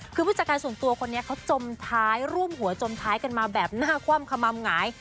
คือผู้จัดการส่วนตัวคนนี้เขาจมท้ายร่วมหัวจมท้ายกันมาแบบหน้าคว่ำขม่ำหงาย